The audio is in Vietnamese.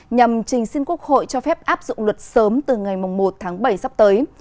nhằm trình xin quốc hội cho phép áp dụng luật sớm từ ngày một tháng bảy sắp tới